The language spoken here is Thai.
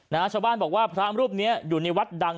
ชาวบ้านบอกว่าพระรูปเนี้ยอยู่ในวัดดัง